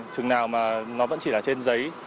chừng nào mà nó vẫn chỉ là trên giấy